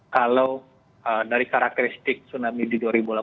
kalau dari karakteristik tsunami di dua ribu delapan belas